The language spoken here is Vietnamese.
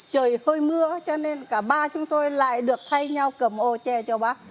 trời hơi mưa cho nên cả ba chúng tôi lại được thay nhau cầm ô tre cho bác